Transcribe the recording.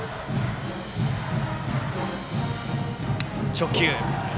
直球。